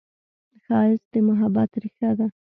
ښایست د محبت ریښه ده